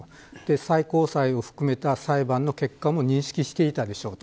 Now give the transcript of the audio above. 最高裁を含めた裁判の結果も認識していたでしょうと。